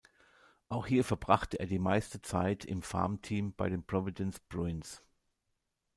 Auch hier verbrachte er die meiste Zeit im Farmteam bei den Providence Bruins.